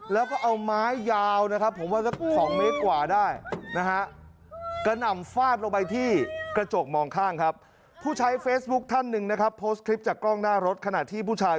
แล้วก็เอาไม้ยาวนะครับผมว่า๒เมตรกว่าได้นะฮะ